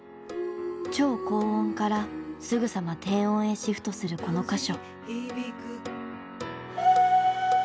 超高音からすぐさま低音へシフトするこの箇所。